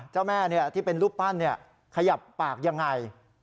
เจ้าแม่ที่เป็นรูปปั้นขยับปากยังไง